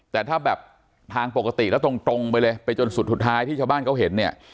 แต่ถ้าแบบทางปกติแล้วตรงไปเลยไปจนสุดสุดท้ายที่ชาวบ้านเขาเห็นเนี่ย